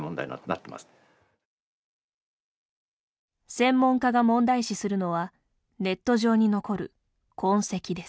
専門家が問題視するのはネット上に残る痕跡です。